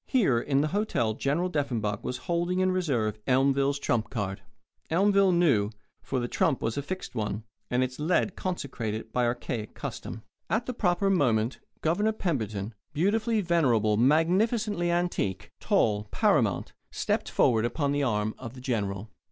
Here, in the hotel General Deffenbaugh was holding in reserve Elmville's trump card. Elmville knew; for the trump was a fixed one, and its lead consecrated by archaic custom. At the proper moment Governor Pemberton, beautifully venerable, magnificently antique, tall, paramount, stepped forward upon the arm of the General.